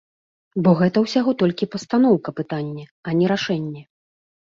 Бо гэта ўсяго толькі пастаноўка пытання, а не рашэнне.